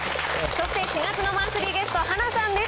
そして４月のマンスリーゲスト、はなさんです。